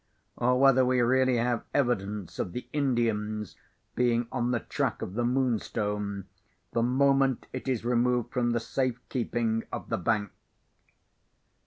or whether we really have evidence of the Indians being on the track of the Moonstone, the moment it is removed from the safe keeping of the bank?"